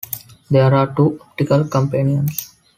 There are two optical companions.